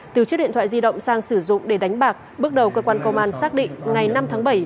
từ chiếc điện thoại di động sang sử dụng để đánh bạc bước đầu cơ quan công an xác định ngày năm tháng bảy